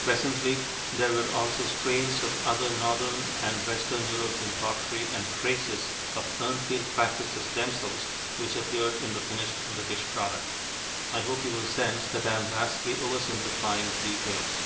Presently there were also strains of other northern and western European pottery and traces of Urnfield practices themselves which appeared in the finished British product. I hope you will sense that I am vastly over simplifying the details.